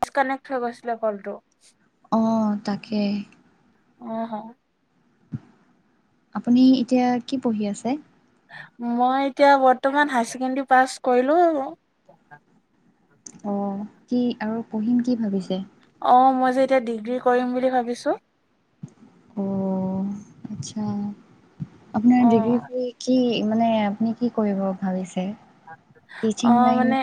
Disconnect হৈ গৈছিলে কলটো। অ তাকে অ হ আপুনি এতিয়া কি পঢ়ি আছে? মই এতিয়া বৰ্তমান হাই ছেকেণ্ডেৰী পাছ কৰিলো। অ', কি আৰু পঢ়িম কি ভাবিছে? অ মই যে এতিয়া ডিগ্ৰী কৰিম বুলি ভাবিছো। অ' আচ্ছা। আপোনাৰ অ ডিগ্ৰী কৰি কি মানে আপুনি কি কৰিব ভাবিছে? টিচিং অ লাইন মানে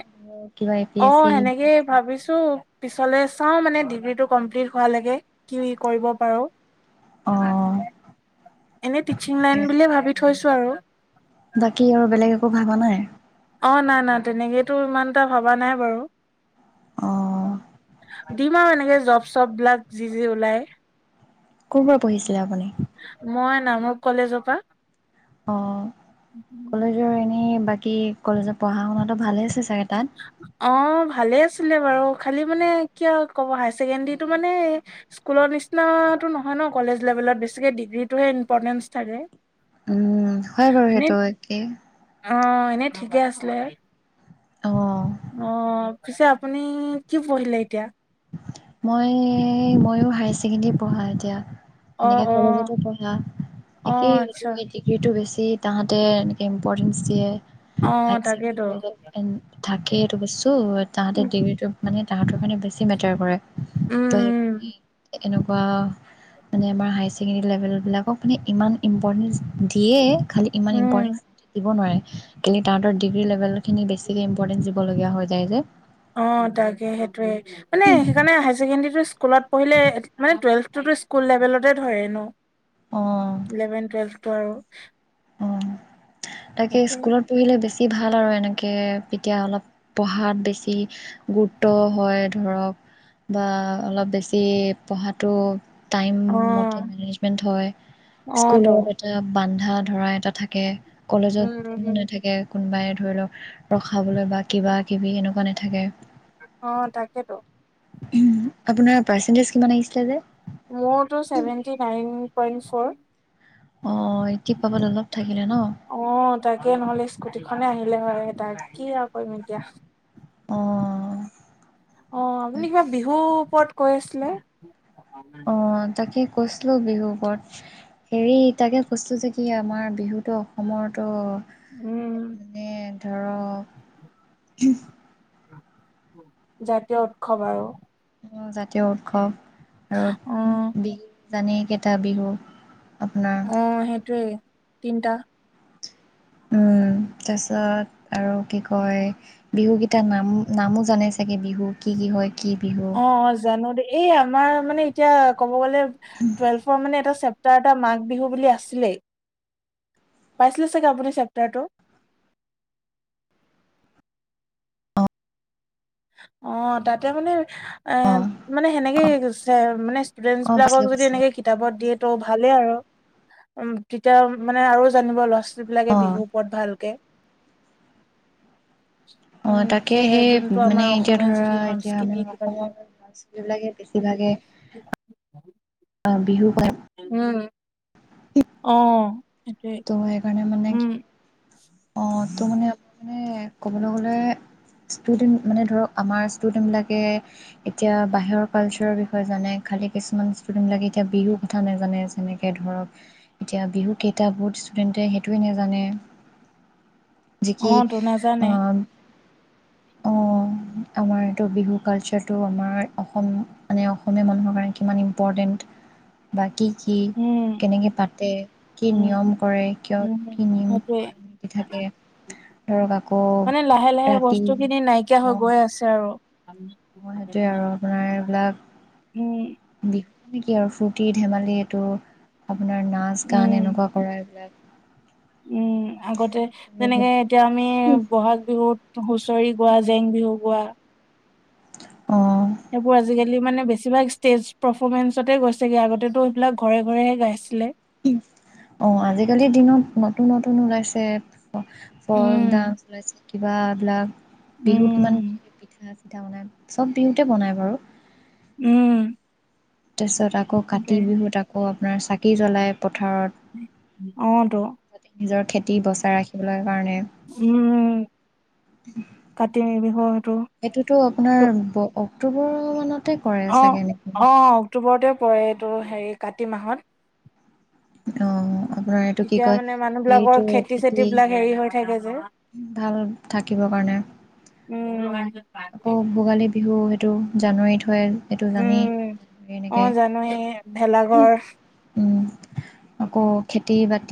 কিবা A P O S C সেনেকেই ভাবিছো। পিছলে চাওঁ মানে ডিগ্ৰীটো কমপ্লিট হোৱা লেকে কি কৰিব পাৰো। অঁ [unintelligible] এনে টিচিং লাইন বুলিয়ে ভাবি থৈছো আৰু। বাকী আৰু বেলেগ একো ভাবা নাই? অ নাই নাই তেনেকেতো ইমান এটা ভবা নাই বাৰু অঁ দিম আৰু এনেকে জব চপ বিলাক যি যি ওলাই। ক' পৰা পঢ়িছিলে আপুনি? মই নামৰূপ কলেজৰ পৰা। অ কলেজৰ এনে বাকী কি কলেজত পঢ়া শুনাাতটো ভালে আছে চা অ' ভালে আছে। ছিলে বাৰু খালি মানে কিয় ক'ব হাই ছেকেণ্ডৰীতটো মানে স্কুলৰ নিচিনাটো নহয় ন' কলেজ লেভেলত বেছিকে ডিগ্ৰীটোহে ইম্পৰ্টেন্ঞ্চ থাকে। উম হয় বাৰু সেইটো একেই। অ'এনেই ঠিকে আছিলে। অ' অ' পিছে আপুনি কি পঢ়িলে এতিয়া? মই ময়ো হাই ছেকেণ্ডেৰী পঢ়া এতিয়া। অ', এনেকে অ', কলেজতো পঢ়া অ', একেই এইটো আচ্ছা ডিগ্ৰীতটো বেছি। যি তাহাঁতে এনেকে ইম্পৰ্টেঞ্চ দিয়ে। অ', তাকেতো [unintelligible] থাকে এইটো বস্তু তাহতে উম, ডিগ্ৰী মানে তাহাতৰপিনে বেছি চি মেটাৰ কৰে। ত সেইখিনি উম, এনেকুৱা মানে আমাৰ হায়াৰ ছেকেণ্ডেৰী লেভেলবিলাকক মানে ইমান ইম্পৰ্টেঞ্চ দিয়ে খালি ইমান উম, ইম্পৰ্টেঞ্চ থাকিব নোৱাৰে। কিন্তু তাহতৰ ডিগ্ৰী লেভেলখিনি বেছিকে ইম্পৰটেন্স দিব লগীয়া হৈ যায় যে অ' তাকে সেইটোয়ে। মানে সেইকাৰণে হাৰ ছেকেণ্ডেৰী স্কুলত পঢ়িলে মানে টুৱেলভটোতো স্কুল লেভেলতে ধৰে ন? অ ইলেভেন টুৱেলভ। আৰু [inaudible] অ তাকে সেইটোৱে স্কুলত পঢ়িলে বেছি ই ভাল আৰু এনেকৈ তেতিয়া অলপ পঢ়াত বেছি গুৰুত্ব হয় ধৰক বা অলপ বেছি পঢ়াটো হয়। টাইম মতে অ', মেনেজমেন্ট হয়। অ', স্কুলত তো এটা বান্ধা ধৰা এটা থাকে। কলেজত উম কোনো উম নাথাকে। কোনোবাই ধৰি লওক ৰখাবলৈ বা কিবা কিবি এনেকুৱা নাথাকে অ' তাকেইেতো। আপোনাৰ পাৰ্চেন্টেজ কিমান আহিছিলে যে? মোৰতটো ছেভেন্টি নাইন পইণ্ট ফ'ৰ। অহ এইটতি পাবলৈ অলপ থাকিলে ন খনে আহিলে হয় তাকে কি আৰু কৰিম এতিয়া অ অ আপুনি কিবা বিহুৰ ওপৰত কৈ আছিলে অ তাকেই কৈছিলো বিহুৰ ওপৰত হেৰি তাকে কৈছিলো যে কি আমাৰ বিহুটো অসমৰ তো উম মানে ধৰক ওমহ জাতীয় উৎসৱ আৰু অ জাতীয় উৎসৱ অ আৰু বি জানেই কেইটা বিহু আপোনাৰ অ সেইটোৱে তিনটা উম তাৰপিছত আৰু কি কয় বিহু কেইটা নাম নামো জানে চাগে বিহু কি কি হয় কি বিহু অ অ জানো দেই এই আমাৰ মানে এতিয়া কব গলে টুৱেলভৰ মানে এটা চেপ্ত তাত এটা মাঘ বিহু বুলি আছিলেই পাইছিলে চাগে আপুনি চেপ্তাৰটো অ তাতে মানে এ অ', মানে সেনেকে অ', মানে ষ্টুডেন্টচ অ', বিলাকক পাইছিলোঁ যদি পাইছিলোঁ এনেকে কিতাপত দিয়ে ত' ভালেই আৰু উ তেতিয়া মানে আৰু জানিব লষ্ট যি বিলাকে অ'। বিহুৰ ওপৰত ভালকে অ উম, তাকে যি সেই- যোনটো মানে আমাৰ এতিয়া অসমীয়া ধৰা যিখিনি এতিয়া সংস্কৃতি আমাৰ কিবা কিবি অসমত মাছ বিলাকে বেছিভাগে বিহু পাত উম অ সেইটোৱে তো সেইকাৰণে মানে কি উম অ তো মানে মানে ক'বলৈ গ'লে ষ্টুডেণ্ট মানে ধৰক আমাৰ ষ্টুডেণ্টবিলাকে এতিয়া বাহিৰৰ কালচাৰৰ বিষয়ে জানে খালী কিছুমান ষ্টুডেণ্টবিলাকে এতিয়া বিহুৰ কথা নেজানে যেনেকে ধৰক এতিয়া বিহু কেইটা বহুত ষ্টুডেণ্টে সেইটোৱে নেজানে যি কি অ', তো অ নাজানে অ', আমাৰ এইটো বিহু কালচাৰটো আমাৰ অসমীয়া মানে অসমীয়া মানুহৰ কাৰণে কিমান ইম্পৰ্টেণ্ট বা কি কি? উম, কেনেকৈ পাতে? কি উম, নিয়ম কৰে? কিয় উম, কি নিয়ম সেইটোৱে নীতি থাকে? ধৰক আকৌ মানে লাহে লাহে ৰা বস্তু খিনি নাইকিয়া হৈ গৈ আছে আৰু [unintelligible] সেইটোয়ে আৰু আপোনাৰ এইবিলাক উম, বি [unintelligible] হয় নেকি আৰু ফূৰ্তি ধেমালি এইটো আপোনাৰ নাচ গান উম। এনেকুৱা কৰা এইবিলাক উম' । আগতে যেনেকে এতিয়া আমি বহাগ বিহুত হুঁচৰি গোৱা, জেং বিহু গোৱা অ' । সেইবোৰ আজিকালি মানে বেছিভাগ ষ্টেজ পাৰফমেন্ঞ্চতে গৈছেগে, আগতেতো সেইবিলাক ঘৰে ঘৰেহে গাইছিলে। অ, আজিকালিৰ দিনত নতুন নতুন ওলাইছে [unintelligible] ফৰ্কৰগ উম ডান্স ওলাইছে কিবাবিলাক বিহুত কিমান [inaudible] উম আছে পিঠা বনাই চব বিহুতে বনায় বাৰু উম' । তাৰপিছত আকৌ কাতি বিহুত আকৌ আপোনাৰ চাকি জ্বলাই অ তো পথাৰত, নিজৰ খেতি বচাই ৰাখিবলৈ কাৰণে উম কাতি বিহু সেইটো এইটোতো আপোনাৰ অক্টোবৰ মানত অ', অ', অক্টোবৰতে পৰে [unintelligible] হেৰি কাতি মাহত অ, আপোনাৰ এইটো কি তেতিয়া কয় মানে মানুহ সেইটো বিলাকৰ খেতি চেতি বিলাক হেৰি হয় [inaudible] ভাল থাকিব কাৰণে, উম আকৌ ভোগালী বিহু টো, জানুৱাৰীত হয় সেইটো জানেই উম অ এনেকে জানো এই ভেলাঘৰ উম আকৌ খেতি [unintelligible]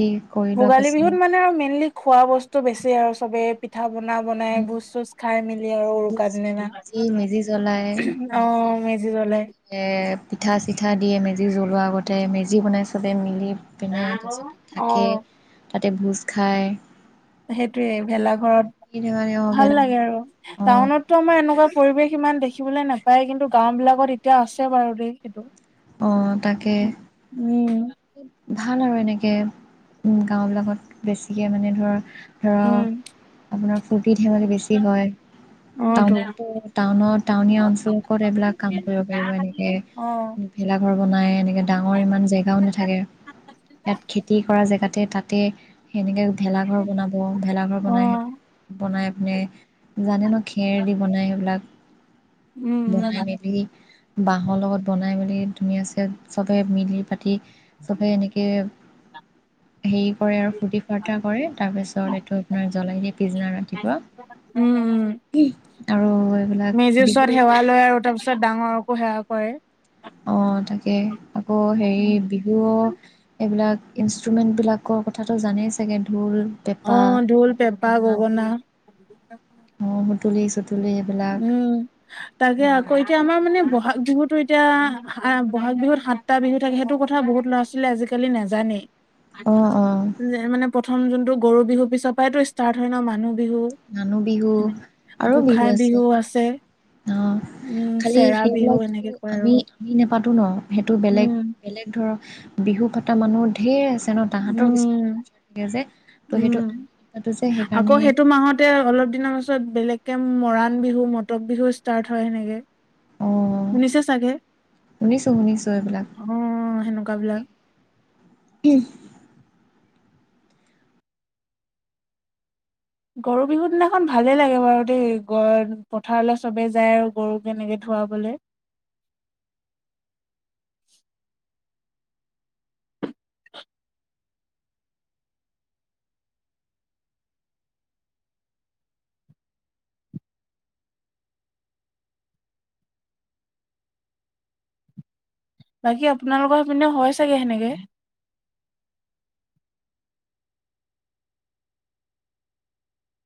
লোৱা ভোগালী পাছত বিহুত মানে আৰু মেইনলি খোৱা বস্তু বেছি আৰু চবে পিঠা পনা বনাই ভোজ চোজ খাই মেলি আৰু উৰুকাৰ দিনা [unintelligible] মেজি জ্বলাই, অ মেজি [unintelligible] জ্বলাই পিঠা চিঠা দিয়ে মেজি জ্বলোৱাৰ আগতে [unintelligible] মেজি বনাই চবে মিলি পিনে তাৰপিছত [inaudible] থাকে অ', তাতে ভোজ খায় সেইটোৱে অ ভেলাঘৰত ভাল বেলেগ লাগে আৰু অ টাউনতটো আমাৰ এনেকুৱা পৰিৱেশ ইমান দেখিবলৈ নাপায়, কিন্তু গাও বিলাকত এতিয়া আছে বাৰু দেই সেইটো অ, তাকে উম ভাল আৰু এনেকে উ গাও বিলাকত বেছিকে মানে ধৰা উম ধৰক আপোনাৰ ফুৰ্তি ধেমালি বেছি হয়, অ তো টাউন টাউনত টাউনীয়া অঞ্চলত কত এইবিলাক কাম কৰিব পাৰিব এনেকে অ ভেলাঘৰ বনাই ডাঙৰ ইমান জেগাও নাথাকে ইয়াত খেতি কৰা জেগাতে, তাতে সেনেকে ভেলাঘৰ বনাব, ভেলাঘৰ অ বনাই বনাই নে? জানে ন খেৰ দি বনাই সেইবিলাক উম উম বনাই মেলি বাঁহৰ লগত বনাই মেলি ধুনীয়া সে চবে মিলি পাতি চবে এনেকে হেৰি কৰে আৰু ফূৰ্তি ফাৰ্তা কৰে, তাৰ পিছত এইটো আপোনাৰ জ্বলাই দিয়ে পিছনা উম উম ৰাতিপুৱা আৰু এইবিলাক মেজিৰ বিহু ওচৰত সেৱা লয় আৰু তাৰপিছত ডাঙৰকো সেৱা কৰে অ তাকে আকৌ হেৰি বিহু এইবিলাক ইনষ্ট্ৰুমেণ্টবিলাকৰ কথাটো জানেই চাগে ঢোল অ পেঁপা ঢোল পেঁপা গগনা অ [inaudible] তুলিছ উম তাকে আকৌ এতিয়া আমাৰ মই মানে বহাগ বিহুতো এতিয়া বহাগ বিহুত সাতটা বিহু থাকে সেইটো কথা বহুত ল'ৰা ছোৱালী আজিকালি নাজানেই অঁ অঁ মানে প্ৰথম যোনটো গৰু বিহু পিছৰ পৰাই ষ্টাৰ্ট হয় ন মানুহ বিহু মানুহ বিহু আৰু গোসাই বিহু আছে বিহু আছে। অ উম খালি চেৰা বিহু সেইবিলাক এনেকে কয় আৰু আমি আমি ন। পাতো ন। সেইটো বেলেগ উম বেলেগ ধৰক। বিহু পটা মানুহ ঢেৰ আছে। ন তাহাঁতৰ কিছুমান উম কালচাৰ থাকে যে ত' সেইটো উম আমি নাপাতো যে সেইকাৰণে আকৌ সেইটো মাহতে অলপ দিনৰ পিছত বেলেগ। এক মৰাণ বিহু মটক বিহু ষ্টাৰ্ট হয় সেনেকে। অঁ শুনিছে চাগে, শুনিছো শুনিছো এইবিলাক আহ সেনেকুৱা বিলাক [unintelligible] গৰু বিহুৰ দিনাখন ভালেই লাগে বাৰু দেই গ পথাৰলৈ চবেই যায় আৰু গৰু কেনেকে ধুৱাবলে। বাকী আপোনালোকৰ সেইপিনে হয় চাগে সেনেকে।